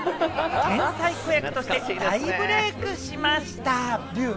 天才子役として大ブレークしました。